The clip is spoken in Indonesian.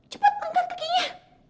cepat angkat kekinya